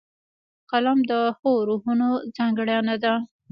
قلم د ښو روحونو ځانګړنه ده